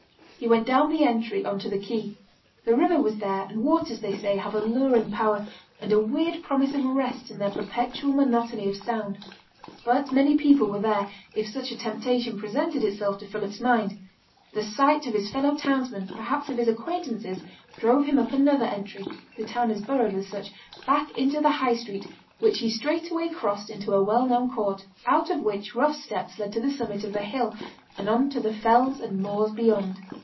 He went down the entry on to the quay. The river was there, and waters, they say, have a luring power, and a weird promise of rest in their perpetual monotony of sound. But many people were there, if such a temptation presented itself to Philip's mind; the sight of his fellow townsmen, perhaps of his acquaintances, drove him up another entry the town is burrowed with such back into the High Street, which he straightway crossed into a well known court, out of which rough steps led to the summit of the hill, and on to the fells and moors beyond.